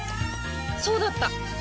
そうだった！